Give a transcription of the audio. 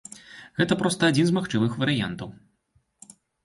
Гэта проста адзін з магчымых варыянтаў.